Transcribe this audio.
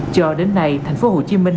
cho đến nay thành phố hồ chí minh